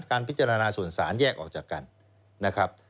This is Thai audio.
การพิจารณาส่วนสารแยกออกจากกันนะครับ